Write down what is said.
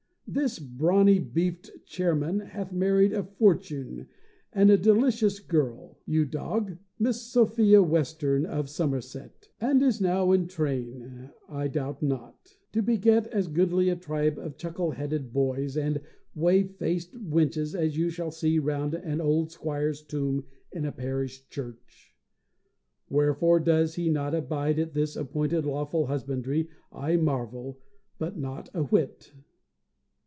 This brawny beefed chairman hath married a fortune and a delicious girl, you dog, Miss Sophia Western, of Somerset, and is now in train, I doubt not, to beget as goodly a tribe of chuckle headed boys and whey faced wenches as you shall see round an old squire's tomb in a parish church. Wherefore does he not abide at this his appointed lawful husbandry, I marvel; but not a whit!